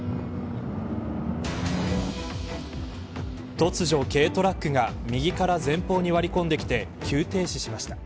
突如、軽トラックが右から前方に割り込んできて急停止しました。